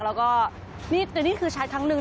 แล้วก็นี่คือชัดครั้งหนึ่ง